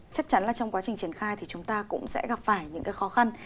chắc chắn là trong quá trình triển khai thì chúng ta cũng sẽ gặp phải những cái khó khăn